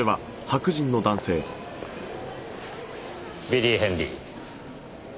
ビリー・ヘンリー。